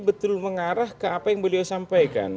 betul mengarah ke apa yang beliau sampaikan